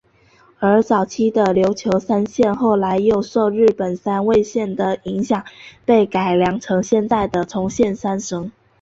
而早期的琉球三线后来又受日本三味线的影响被改良成现在的冲绳三线。